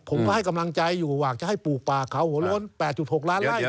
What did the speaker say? ผมก็ให้กำลังใจอยู่อยากจะให้ปลูกป่าเขาหัวโล้น๘๖ล้านไล่